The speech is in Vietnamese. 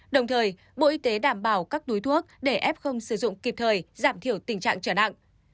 đồng thời bộ y tế đảm bảo các túi thuốc để f sử dụng kịp thời giảm thiểu tình trạng trở nặng